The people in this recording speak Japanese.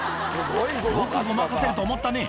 よくごまかせると思ったね。